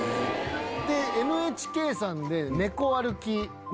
ＮＨＫさんで『ネコ歩き』。